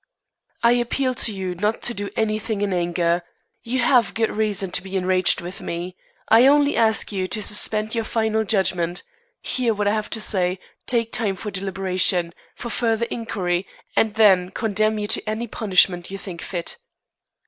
"I appeal to you not to do anything in anger. You have good reason to be enraged with me. I only ask you to suspend your final judgment. Hear what I have to say, take time for deliberation, for further inquiry, and then condemn me to any punishment you think fit."